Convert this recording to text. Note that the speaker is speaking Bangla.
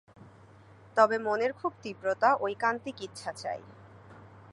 তবে মনের খুব তীব্রতা, ঐকান্তিক ইচ্ছা চাই।